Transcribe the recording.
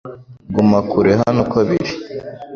Guma kure hano uko biri